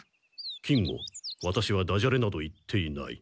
金吾ワタシはダジャレなど言っていない。